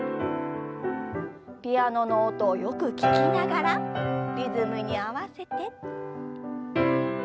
ピアノの音をよく聞きながらリズムに合わせて。